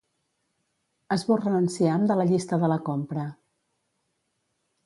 Esborra l'enciam de la llista de la compra.